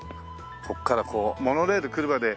ここからこうモノレール来るまで見よう。